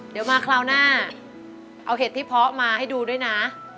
เดี๋ยวมาคราวหน้าเอาเห็ดที่เพาะมาให้ดูด้วยนะ